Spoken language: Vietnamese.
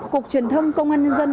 cục truyền thông công an nhân dân